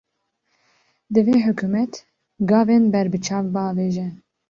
Divê hikûmet, gavên berbiçav bavêje